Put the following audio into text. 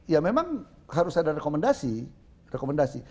ya memang harus ada rekomendasi rekomendasi